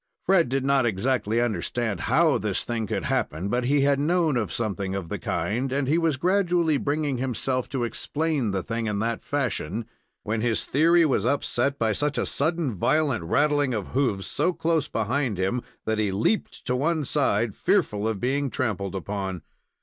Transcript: Fred did not exactly understand how this thing could happen, but he had known of something of the kind, and he was gradually bringing himself to explain the thing in that fashion, when his theory was upset by such a sudden, violent rattling of hoofs, so close behind him, that he leaped to one side, fearful of being trampled upon.